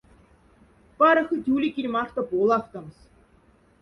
Пара хоть, ули кинь мархта полафтомс.